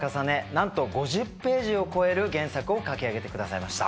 なんと５０ページを超える原作を描き上げてくださいました。